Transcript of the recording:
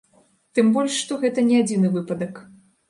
Тым больш, што гэта не адзіны выпадак.